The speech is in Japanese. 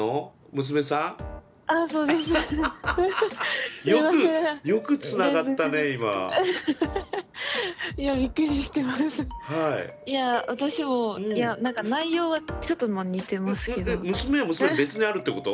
娘は娘で別にあるってこと？